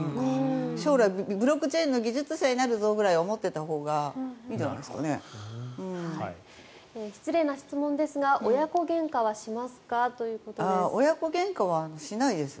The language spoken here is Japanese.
将来ブロックチェーンの技術者になるぞくらい思ってたら失礼な質問ですが親子げんかはしますかということです。